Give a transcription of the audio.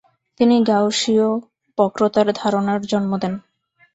তিনি গাউসীয় বক্রতার ধারণার জন্ম দেন।